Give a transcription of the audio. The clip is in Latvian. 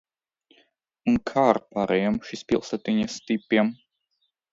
Un kā ar pārējiem šīs pilsētiņas tipiem?